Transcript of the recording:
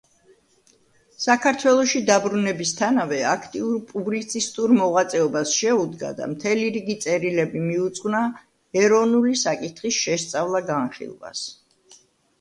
საქართველოში დაბრუნებისთანავე აქტიურ პუბლიცისტურ მოღვაწეობას შეუდგა და მთელი რიგი წერილები მიუძღვნა ეროვნული საკითხის შესწავლა–განხილვას.